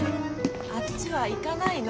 あっちは行かないの。